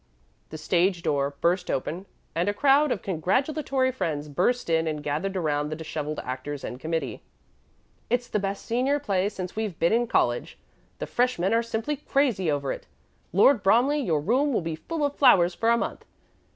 The stage door burst open and a crowd of congratulatory friends burst in and gathered around the disheveled actors and committee. "It's the best senior play since we've been in college." "The freshmen are simply crazy over it." "Lord Bromley, your room will be full of flowers for a month."